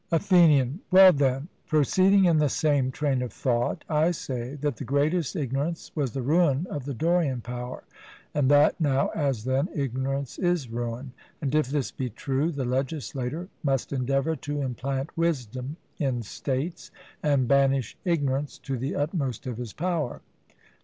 ATHENIAN: Well, then, proceeding in the same train of thought, I say that the greatest ignorance was the ruin of the Dorian power, and that now, as then, ignorance is ruin. And if this be true, the legislator must endeavour to implant wisdom in states, and banish ignorance to the utmost of his power.